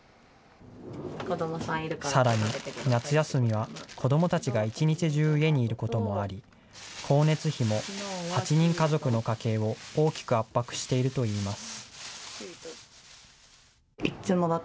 さらに夏休みは、子どもたちが一日中家にいることもあり、光熱費も８人家族の家計を大きく圧迫しているといいます。